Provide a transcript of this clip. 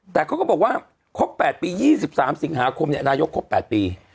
แต่เขาก็บอกว่าครบ๘ปี๒๓สิงหาคมนายกครบ๘ปี